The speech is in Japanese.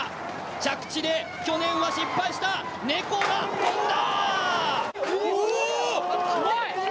着地で去年は失敗した猫が跳んだ！